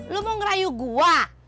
lo mau ngerayu gua